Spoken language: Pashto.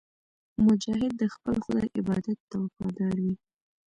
مجاهد د خپل خدای عبادت ته وفادار وي.